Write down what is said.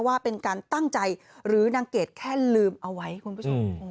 ว่าเป็นการตั้งใจหรือนางเกดแค่ลืมเอาไว้คุณผู้ชม